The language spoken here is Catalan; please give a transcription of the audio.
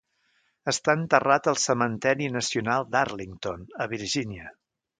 Està enterrat al cementeri nacional d'Arlington, a Virginia.